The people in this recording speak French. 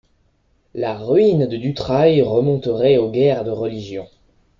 La ruine de Durtail remonterait aux guerres de religion.